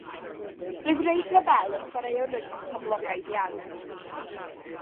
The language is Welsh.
Roedd Ray Gravell yn chwaraewr rygbi poblogaidd iawn.